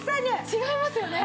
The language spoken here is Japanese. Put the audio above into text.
違いますよね。